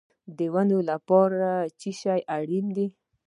د ونو لپاره څه شی اړین دی؟